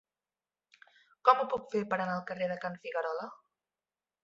Com ho puc fer per anar al carrer de Can Figuerola?